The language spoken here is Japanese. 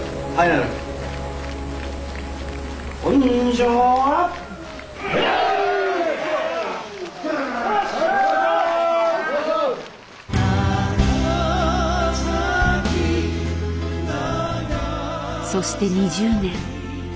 「長崎」そして２０年。